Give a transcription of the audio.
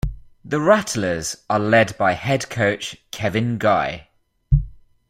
The Rattlers are led by head coach Kevin Guy.